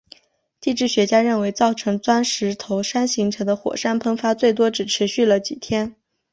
地质学家认为造成钻石头山形成的火山喷发最多只持续了几天。